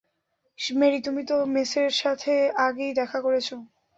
Mary, তুমি তো মেসের সাথে আগেই দেখা করেছ।